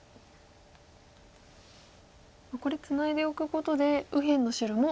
これツナいでおくことで右辺の白も。